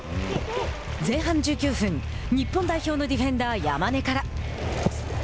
前半１９分日本代表のディフェンダー山根から。